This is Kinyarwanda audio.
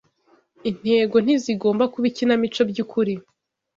Intego ntizigomba kuba ikinamico byukuri